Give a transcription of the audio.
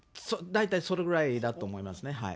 大体それぐらいだと思いますね。